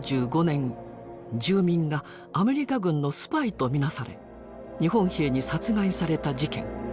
住民がアメリカ軍のスパイとみなされ日本兵に殺害された事件。